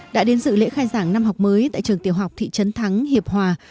đã đến dự lễ khai giảng năm học mới tại trường tiểu học thị trấn thắng hiệp hòa